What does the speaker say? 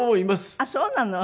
あっそうなの。